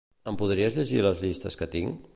Em podries llegir les llistes que tinc?